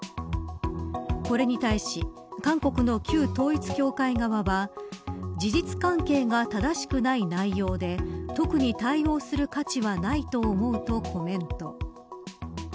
これに対し韓国の旧統一教会側は事実関係が正しくない内容で特に対応する価値はないと思うとコメント。